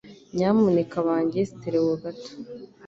Nyamuneka wange stereo gato.